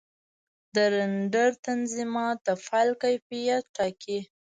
د رېنډر تنظیمات د فایل کیفیت ټاکي.